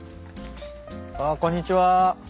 あっこんにちは。